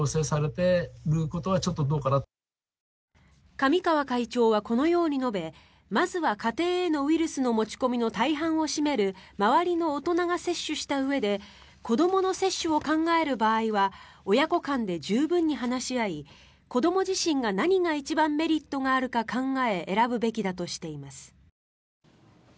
神川会長はこのように述べまずは家庭へのウイルスの持ち込みの大半を占める周りの大人が接種したうえで子どもの接種を考える場合は親子間で十分に話し合い子ども自身が何が一番メリットがあるか考え選ぶべきだとしています。